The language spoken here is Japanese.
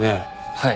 はい。